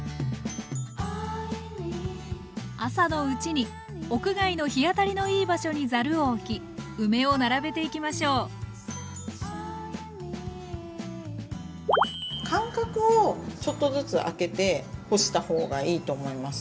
朝のうちに屋外の日当たりのいい場所にざるをおき梅を並べていきましょう間隔をちょっとずつあけて干した方がいいと思います。